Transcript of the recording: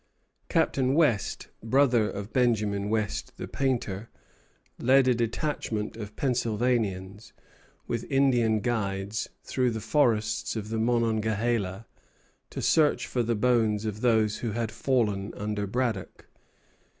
Captain West, brother of Benjamin West, the painter, led a detachment of Pennsylvanians, with Indian guides, through the forests of the Monongahela, to search for the bones of those who had fallen under Braddock.